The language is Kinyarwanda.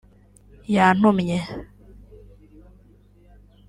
Yantumye